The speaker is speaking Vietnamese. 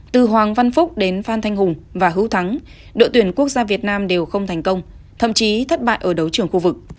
từ hoàng văn phúc đến phan thanh hùng và hữu thắng đội tuyển quốc gia việt nam đều không thành công thậm chí thất bại ở đấu trường khu vực